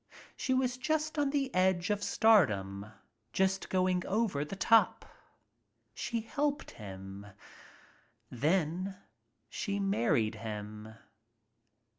She was just on the edge of stardom, just going over the top. She helped him. Then she married him.